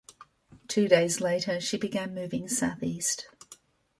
Two days later, she began moving southeast.